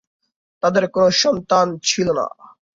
তাদের কোনো সন্তান ছিল না।